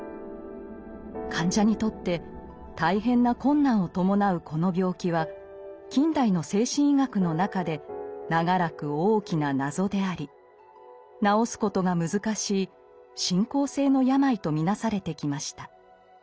患者にとって大変な困難を伴うこの病気は近代の精神医学の中で長らく大きな謎であり治すことが難しい進行性の病と見なされてきました。